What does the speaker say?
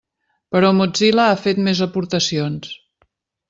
Però Mozilla ha fet més aportacions.